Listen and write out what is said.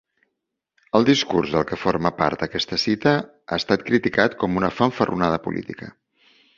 El discurs del que forma part aquesta cita ha estat criticat com una fanfarronada política.